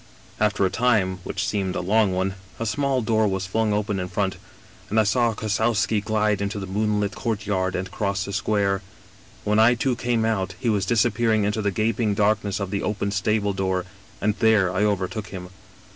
" After a time, which seemed a long one, a small door was flung open in front, and I saw Kossowski glide into the moonlit courtyard and cross the square. When I too came out he was disappearing into the gaping darkness of the open stable door, and there I overtook him.